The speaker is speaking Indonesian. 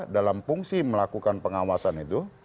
dalam fungsi melakukan pengawasan itu